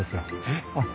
えっ！